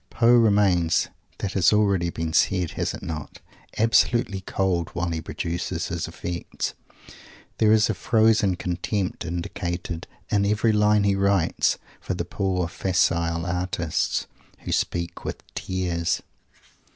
Poe remains that has been already said, has it not? absolutely cold while he produces his effects. There is a frozen contempt indicated in every line he writes for the poor facile artists "who speak with tears."